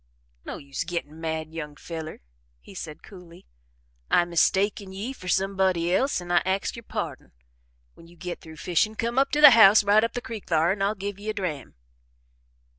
"No use gittin' mad, young feller," he said coolly. "I mistaken ye fer somebody else an' I axe yer pardon. When you git through fishin' come up to the house right up the creek thar an' I'll give ye a dram."